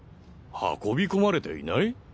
運び込まれていない！？